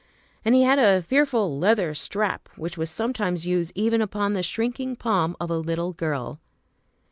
And he had a fearful leather strap, which was sometimes used even upon the shrinking palm of a little girl.